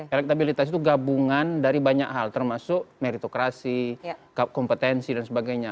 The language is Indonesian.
elektabilitas itu gabungan dari banyak hal termasuk meritokrasi kompetensi dan sebagainya